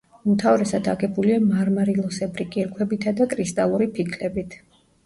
უმთავრესად აგებულია მარმარილოსებრი კირქვებითა და კრისტალური ფიქლებით.